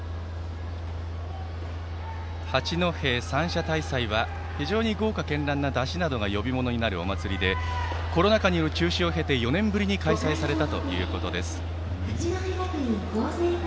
八戸三社大祭は非常に豪華けんらんな山車などによるそれらが呼び物になるお祭りでコロナ禍による中止を経て４年ぶりに開催されたということです。